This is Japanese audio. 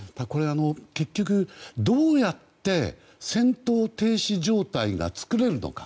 結局、どうやって戦闘停止状態が作れるのか。